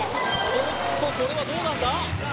おっとこれはどうなんだ？